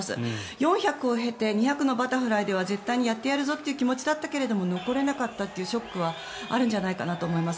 ４００ｍを経て２００ｍのバタフライでは絶対やってやるぞという気持ちだったので残れなかったショックはあるんじゃないかと思います。